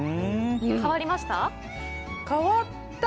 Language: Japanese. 変わりました？